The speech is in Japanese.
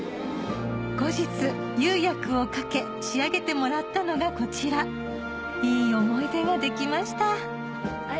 後日釉薬をかけ仕上げてもらったのがこちらいい思い出ができました